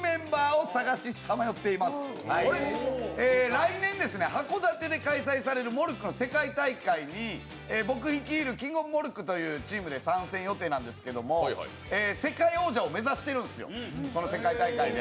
来年、函館で開催されるモルックの世界大会に僕率いるキングオブモルックというチームで参戦予定なんですけども、世界王者を目指しているんですよ、その世界大会で。